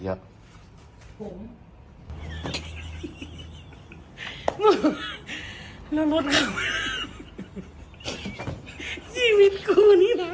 หนึ่งไปเอาหนังนะไม่ไปปตายไปเบ้ย